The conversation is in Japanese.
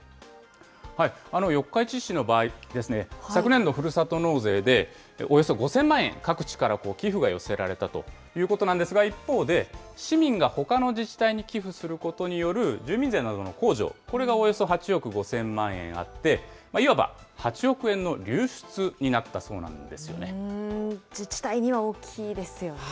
四日市市の場合、昨年度、ふるさと納税でおよそ５０００万円、各地から寄付が寄せられたということなんですが、一方で、市民がほかの自治体に寄付することによる住民税などの控除、これがおよそ８億５０００万円あって、いわば８億円の流出になっ自治体には大きいですよね。